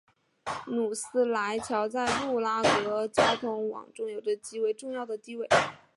努斯莱桥在布拉格交通网中有着极为重要的地位。